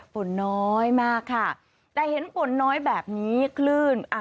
ฝนน้อยมากค่ะแต่เห็นฝนน้อยแบบนี้คลื่นอ่ะ